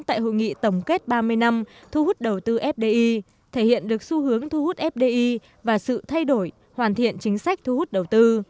tại hội nghị tổng kết ba mươi năm thu hút đầu tư fdi thể hiện được xu hướng thu hút fdi và sự thay đổi hoàn thiện chính sách thu hút đầu tư